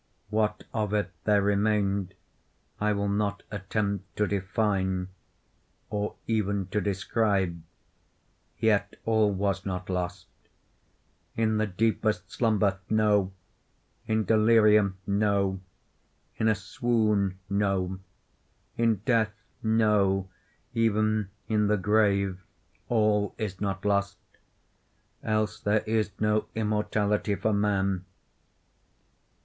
What of it there remained I will not attempt to define, or even to describe; yet all was not lost. In the deepest slumber—no! In delirium—no! In a swoon—no! In death—no! even in the grave all is not lost. Else there is no immortality for man.